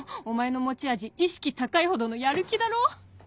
お前の持ち味意識高いほどのやる気だろ！